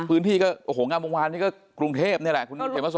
พื้นที่ก็งามงวารนี่ก็กรุงเทพนี่แหละ